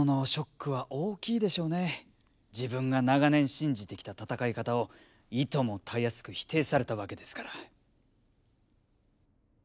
自分が長年信じてきた戦い方をいともたやすく否定されたわけですから。